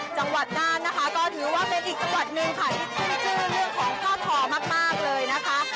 จังหวัดน่านนะคะก็ถือว่าเป็นอีกจังหวัดหนึ่งค่ะที่ขึ้นชื่อเรื่องของท่อทอมากเลยนะคะ